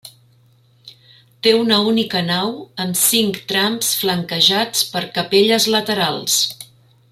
Té una única nau, amb cinc trams flanquejats per capelles laterals.